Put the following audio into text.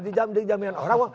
di jaminan orang